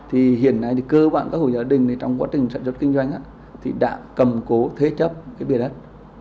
hiện nay cơ bản các hồ gia đình trong quá trình sản xuất kinh doanh đã cầm cố thế chấp bề đất